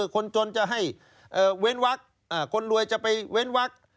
คนจนจะให้เว้นวักคนรวยจะไปเว้นวัก